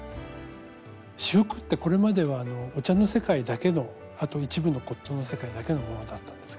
仕覆ってこれまではお茶の世界だけのあと一部の骨とうの世界だけのものだったんですけど。